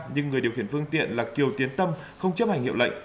nhưng người điều khiển phương tiện là kiều tiến tâm không chấp hành hiệu lệnh